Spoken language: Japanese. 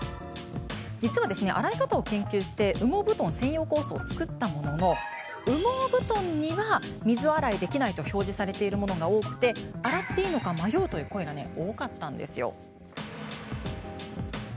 実は、洗い方を研究して羽毛布団専用コースを作ったものの羽毛布団には水洗いできないと表示されているものが多く洗っていいのか迷う声が多かったんです。